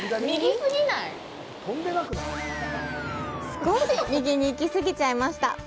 少し右に行き過ぎちゃいました！